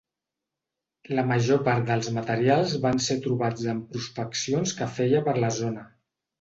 La major part dels materials van ser trobats en prospeccions que feia per la zona.